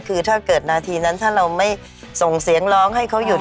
คือถ้าเกิดนาทีนั้นถ้าเราไม่ส่งเสียงร้องให้เขาหยุด